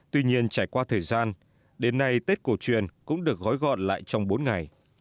tuy nhiên trải qua thời gian đến nay tết cổ truyền cũng được gói gọn lại trong bốn ngày